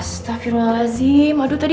astaghfirullahaladzim aduh tadi